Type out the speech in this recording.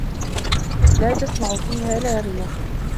لا تَسمَعُ فيها لاغِيَةً